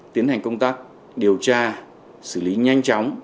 tiến hành công tác điều tra xử lý nhanh chóng